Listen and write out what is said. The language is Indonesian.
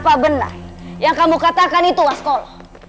apa benar yang kamu katakan itu waskol